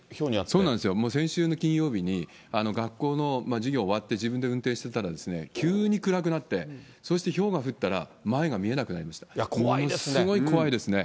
そうなんですよ、もう先週の金曜日に、学校の授業が終わって、自分で運転してたら、急に暗くなって、そして、ひょうが降ったら、怖いですね。